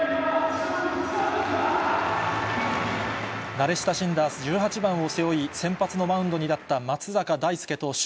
慣れ親しんだ１８番を背負い、先発のマウンドに立った松坂大輔投手。